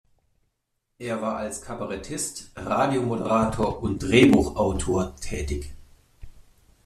Er war als Kabarettist, Radiomoderator und Drehbuchautor tätig.